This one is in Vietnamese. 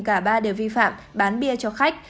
cả ba đều vi phạm bán bia cho khách